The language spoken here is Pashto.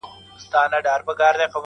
ځکه د هري دورې استعمار موقتي دی